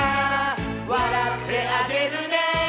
「わらってあげるね」